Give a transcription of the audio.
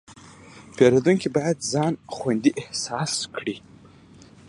پیرودونکی باید ځان خوندي احساس کړي.